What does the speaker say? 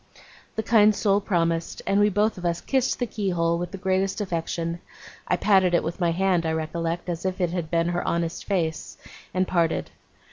The kind soul promised, and we both of us kissed the keyhole with the greatest affection I patted it with my hand, I recollect, as if it had been her honest face and parted.